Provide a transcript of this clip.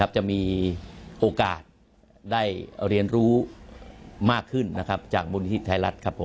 จะมีโอกาสได้เรียนรู้มากขึ้นจากบุญที่ไทยรัฐ